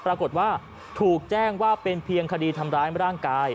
ปรากฏว่าถูกแจ้งว่าเป็นเพียงคดีทำร้ายร่างกาย